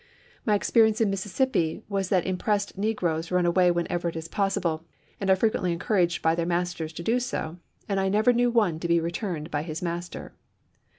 " My experience in Mississippi was that impressed ""N^attve negroes run away whenever it is possible, and are °* o^er^^^ frequently encouraged by their masters to do so ; and pp. 272,'276. I never knew one to be returned by his master."